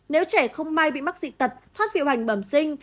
nếu trẻ không may bị mắc di tật thoát vị hoành bẩm sinh